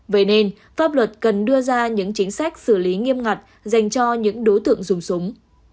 vậy nên pháp luật cần đưa ra những chính sách xử lý nghiêm ngặt dành cho những đối tượng dùng súng